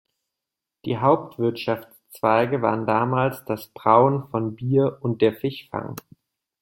Die Hauptwirtschaftszweige waren damals das Brauen von Bier und der Fischfang.